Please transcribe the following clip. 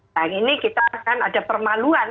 nah ini kita akan ada permaluan